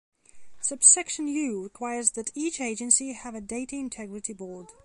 Subsection "U" requires that each agency have a Data Integrity Board.